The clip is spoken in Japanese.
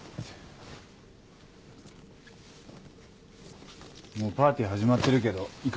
もうパーティー始まってるけど行かないの？